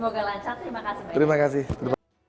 semoga lancar terima kasih